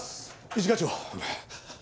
一課長。